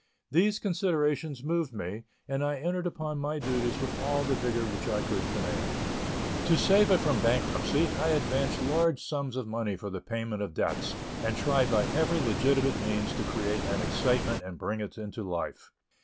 These considerations moved me, and I entered upon my duties with all the vigor which I could command. To save it from bankruptcy, I advanced large sums of money for the payment of debts, and tried by every legitimate means to create an excitement and bring it into life.